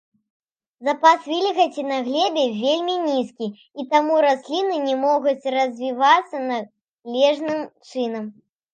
Запас вільгаці на глебе вельмі нізкі, і таму расліны не могуць развівацца належным чынам.